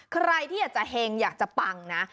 ใครที่อยากจะเฮงอยากจะปังนะ